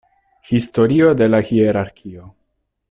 Historio de la hierarkio.